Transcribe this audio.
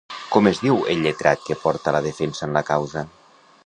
Com es diu el lletrat que porta la defensa en la causa?